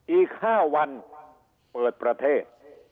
อีก๕วันเปิดประเทศ